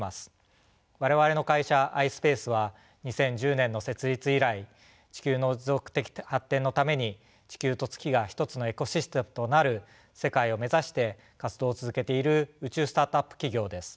我々の会社ｉｓｐａｃｅは２０１０年の設立以来地球の持続的発展のために地球と月が一つのエコシステムとなる世界を目指して活動を続けている宇宙スタートアップ企業です。